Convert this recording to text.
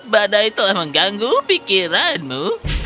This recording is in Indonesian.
badai telah mengganggu pikiranmu